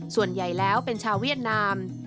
ส่วนใหญ่แล้วเป็นชาวเวียดนาม